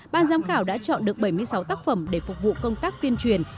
ban giám khảo đã chọn được bảy mươi sáu tác phẩm để phục vụ công tác tuyên truyền